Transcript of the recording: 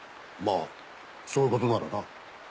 まぁそういうことならな。